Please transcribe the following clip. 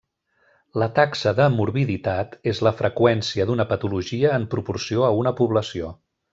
La taxa de morbiditat és la freqüència d'una patologia en proporció a una població.